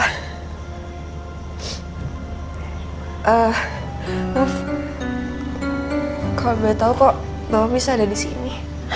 eh maaf kalo boleh tau kok bapak bisa ada disini